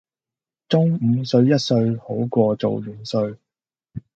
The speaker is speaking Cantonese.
中午睡一睡好過做元帥